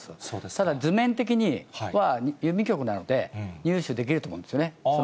ただ、図面的には郵便局なので、入手できると思うんですよね。